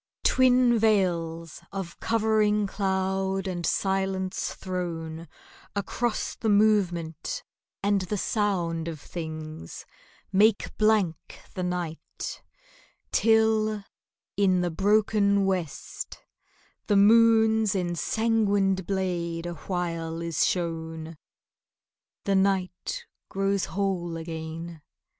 Twin veils of covering cloud and silence thrown Across the movement and the sound of things, Make blank the night, till in the broken west The moon's ensanguined blade awhile is shown.... The night grows whole again....